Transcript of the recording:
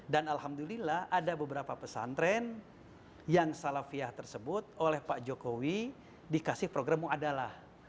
dan alhamdulillah ada beberapa pesantren yang salafiyah tersebut oleh pak jokowi dikasih program mu'adalah